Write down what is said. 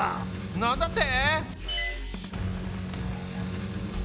なんだって！？